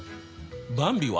ばんびは？